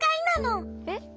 えっ？